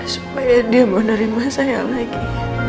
supaya dia mau menerima saya lagi